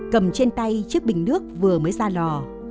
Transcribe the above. cầm trên tay chiếc bình nước vừa mới ra lò